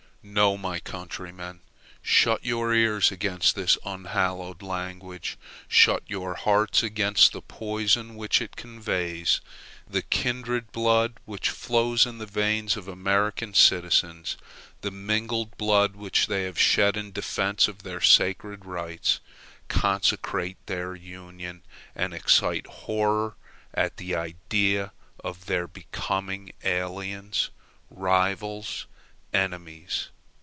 No, my countrymen, shut your ears against this unhallowed language. Shut your hearts against the poison which it conveys; the kindred blood which flows in the veins of American citizens, the mingled blood which they have shed in defense of their sacred rights, consecrate their Union, and excite horror at the idea of their becoming aliens, rivals, enemies.